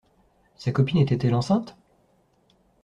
Sa copine était-elle enceinte?